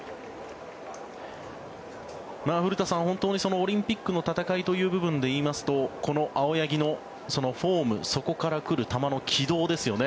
古田さん、本当にオリンピックの戦いという部分で言いますとこの青柳のフォームそこから来る球の軌道ですよね。